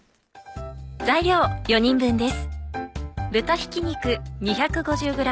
材料４人分です。